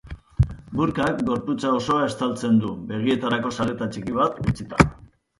Burkak gorputza osoa estataltzen du, begietarako sareta txiki bat utzita.